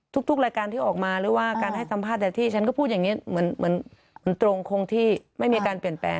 ทุกรายการที่ออกมาหรือว่าการให้สัมภาษณ์แต่ที่ฉันก็พูดอย่างนี้เหมือนตรงคงที่ไม่มีการเปลี่ยนแปลง